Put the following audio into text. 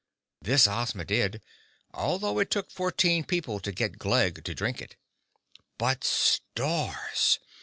This Ozma did, although it took fourteen people to get Glegg to drink it. But, stars!